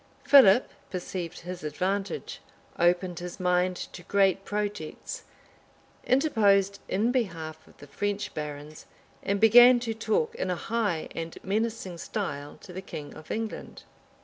Philip perceived his advantage, opened his mind to great projects, interposed in behalf of the French barons, and began to talk in a high and menacing style to the king of England.